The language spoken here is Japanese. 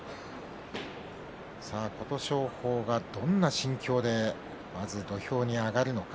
琴勝峰はどんな心境でまず土俵に上がるのか。